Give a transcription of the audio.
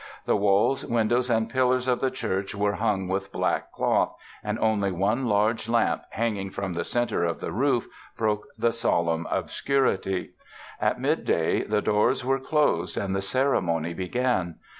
The walls, windows, and pillars of the church were hung with black cloth, and only one large lamp hanging from the center of the roof broke the solemn obscurity. At midday the doors were closed and the ceremony began.